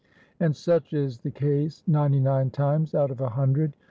And such is the case ninety nine times out of a hundred.